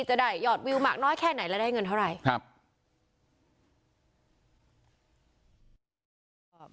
จะได้ยอดวิวมากน้อยแค่ไหนและได้เงินเท่าไหร่ครับ